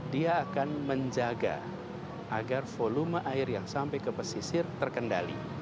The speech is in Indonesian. dia akan menjaga agar volume air yang sampai ke pesisir terkendali